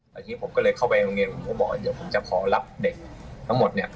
ตอนนี้ผมก็เลยเข้าไปโรงเรียนผมก็บอกว่าเดี๋ยวผมจะขอรับเด็กทั้งหมดเนี่ย